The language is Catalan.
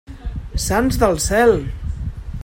Sants del cel!